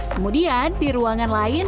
kemudian di ruangan lain